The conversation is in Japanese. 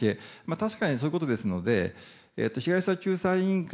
確かにそういうことですので被害者救済委員会